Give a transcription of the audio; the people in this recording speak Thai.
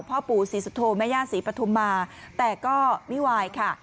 พ่อปู่ศรีสุโธแม่ย่าศรีปฐุมาแต่ก็ไม่วายค่ะ